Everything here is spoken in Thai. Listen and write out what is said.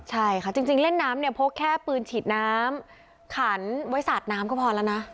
ใช่ค่ะจริงเล่นน้ำเนี่ยพกแค่ปืนฉีดน้ำขันไว้สาดน้ำก็พอแล้วนะ